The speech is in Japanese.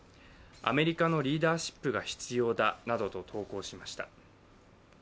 アメリカのリーダーシップが必要だなどと投稿しました。